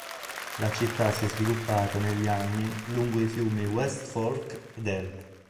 La città si è sviluppata negli anni lungo i fiumi West Fork ed Elk.